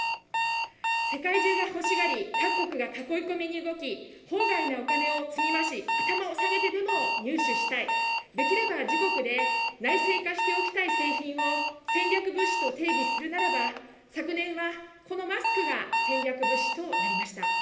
世界中が欲しがり、各国が囲い込みに動き、法外なお金を積み増し、頭を下げてでも入手したい、できれば自国で内製化しておきたい製品を戦略物資と定義するならば、昨年はこのマスクが戦略物資となりました。